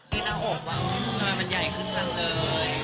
ดูหน้าอกว่ามันใหญ่ขึ้นจังเลย